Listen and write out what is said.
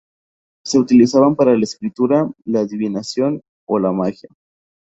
Se utilizaban para la escritura, la adivinación o la magia.